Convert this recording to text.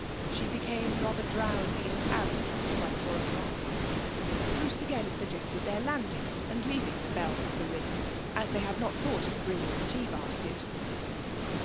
She became rather drowsy and absent by four o'clock. Bruce again suggested their landing and leaving the Belle of the River, as they had not thought of bringing a tea basket.